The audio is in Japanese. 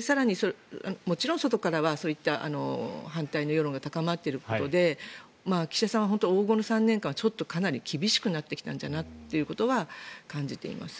更にもちろん外からはそういった反対の世論が高まっていることで岸田さんは黄金の３年間は本当に厳しくなってきたということは感じています。